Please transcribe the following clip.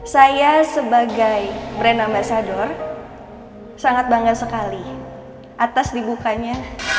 saya sebagai brand ambasador sangat bangga sekali atas dibukanya